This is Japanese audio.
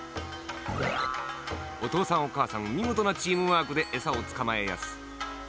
おとうさんおかあさんみごとなチームワークでえさをつかまえやす。